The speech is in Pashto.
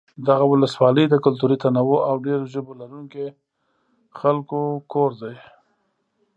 دغه ولسوالۍ د کلتوري تنوع او ډېر ژبو لرونکو خلکو کور دی.